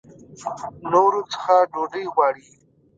نورو څخه ډوډۍ غواړي.